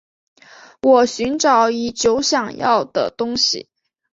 我寻找已久想要的东西